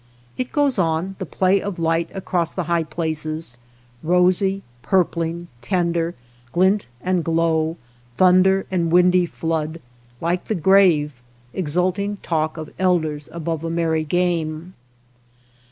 It goes on, the play of light across the high places, rosy, purpling, tender, glint and glow, thunder and windy flood, like the grave, exulting talk of elders above a merry game.